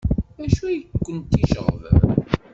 D acu ay kent-iceɣben?